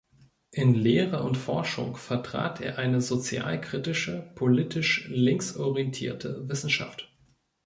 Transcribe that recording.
In Lehre und Forschung vertrat er eine sozialkritische, politisch links orientierte Wissenschaft.